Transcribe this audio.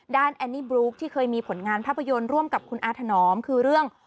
แอนนี่บลุ๊กที่เคยมีผลงานภาพยนตร์ร่วมกับคุณอาถนอมคือเรื่อง